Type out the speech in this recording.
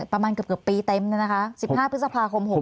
ประมาณเกือบปีเต็มนะคะ๑๕พฤษภาคม๖ศูนย์